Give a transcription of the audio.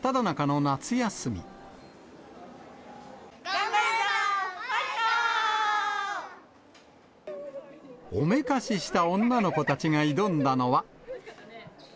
頑張るぞー、おめかしした女の子たちが挑んだのは。